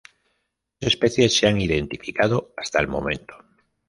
Tres especies se han identificado hasta el momento.